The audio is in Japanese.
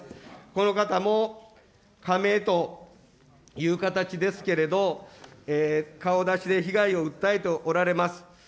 この方も仮名という形ですけれども、顔出しで被害を訴えておられます。